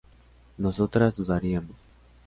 nosotras dudaríamos